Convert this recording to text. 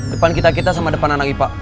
depan kita kita sama depan anak ipa